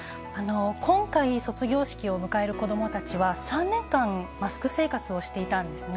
今回、卒業式を迎える子供たちは３年間、マスク生活をしていたんですね。